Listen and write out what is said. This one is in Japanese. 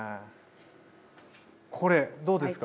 これどうですか？